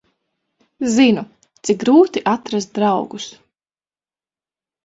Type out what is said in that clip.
Zinu, cik grūti atrast draugus.